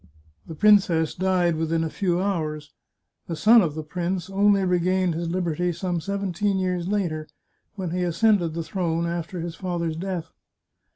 The princess died within a few hours ; the son of the prince only regained his liberty some seventeen years later, when he ascended the throne after his father's death.